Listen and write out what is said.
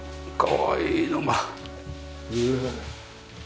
うわ。